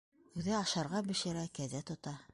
Үҙе ашарға бешерә, кәзә тота.